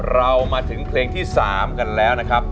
เรามาถึงเพลงที่๓กันแล้วนะครับ